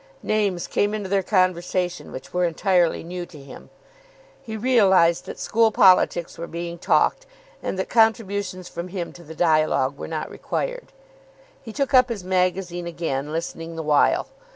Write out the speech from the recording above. Names came into their conversation which were entirely new to him. He realised that school politics were being talked, and that contributions from him to the dialogue were not required. He took up his magazine again, listening the while.